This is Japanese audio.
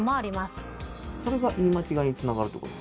それが言い間違いにつながるってこと？